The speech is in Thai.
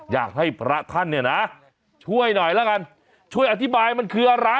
อยากให้พระท่านเนี่ยนะช่วยหน่อยแล้วกันช่วยอธิบายมันคืออะไร